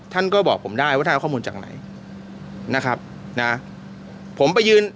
ท่านก็บอกผมได้ว่าท่านเอาข้อมูลจากไหนนะครับนะผมไปยืน